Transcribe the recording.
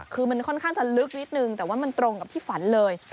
คือมันค่อนข้างจะลึกนิดนึงแต่ว่ามันตรงกับที่ฝันเลย